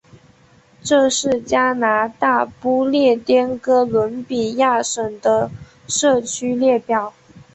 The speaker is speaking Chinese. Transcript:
这是加拿大不列颠哥伦比亚省的社区列表。